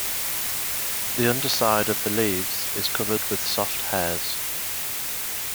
The underside of the leaves is covered with soft hairs.